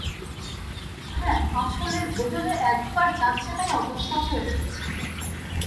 হ্যাঁ, আসলে, ভেতরে একেবারে যাচ্ছেতাই অবস্থা হয়ে রয়েছে।